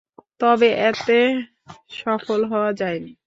তবে এতে সফল হওয়া যায়নি।